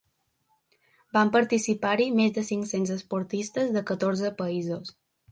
Van participar-hi més de cinc-cents esportistes de catorze països.